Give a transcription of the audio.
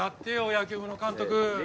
野球部の監督